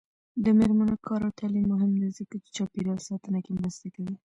د میرمنو کار او تعلیم مهم دی ځکه چې چاپیریال ساتنه کې مرسته کوي.